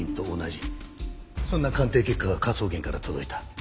そんな鑑定結果が科捜研から届いた。